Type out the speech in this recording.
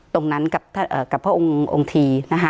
ตรงนั้นกับพระองค์ที